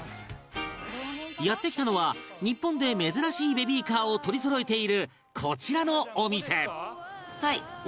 やって来たのは日本で珍しいベビーカーを取りそろえているこちらのお店